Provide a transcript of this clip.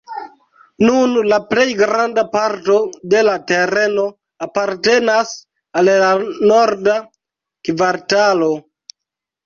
Nun la plej granda parto de la tereno apartenas al la Norda Kvartalo.